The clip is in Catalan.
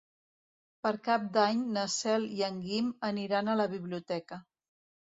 Per Cap d'Any na Cel i en Guim aniran a la biblioteca.